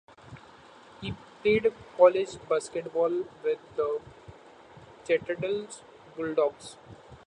He played college basketball with The Citadel Bulldogs.